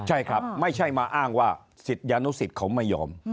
ใช่ครับไม่ใช่มาอ้างว่าศิษยานุสิตเขาไม่ยอม